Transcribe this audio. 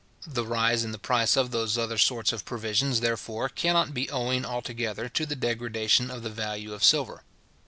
The rise in the price of those other sorts of provisions, therefore, cannot be owing altogether to the degradation of the value of silver.